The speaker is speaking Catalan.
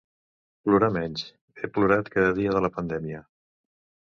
Plorar menys: he plorat cada dia de la pandèmia.